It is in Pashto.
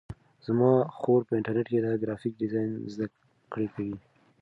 زما خور په انټرنیټ کې د گرافیک ډیزاین زده کړه کوي.